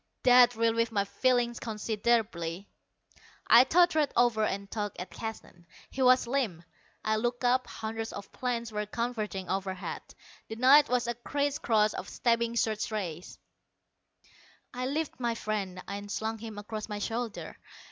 That relieved my feelings considerably. I tottered over and tugged at Keston. He was limp. I looked up. Hundreds of planes were converging overhead; the night was a criss cross of stabbing search rays. I lifted my friend and slung him across my shoulder.